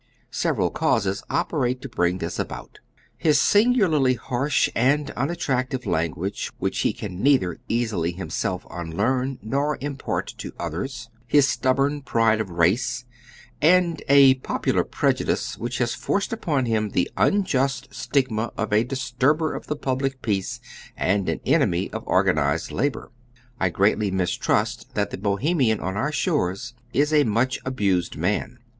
Several causes operate to bring this about : his singularly harsh and unattractive language, which he can neither easily himself unlearn nor impart to others, his stubborn pride of race, and a popular pre judice which has forced upon him the unjust stigma of a disturber of the public peace and an enemy of organized labor. I greatly mistrust that the Bohemian on our sliores is a much abused man.